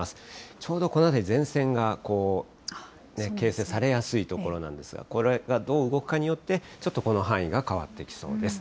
ちょうどこの辺り、前線が形成されやすい所なんですが、これがどう動くかによって、ちょっとこの範囲が変わっていきそうです。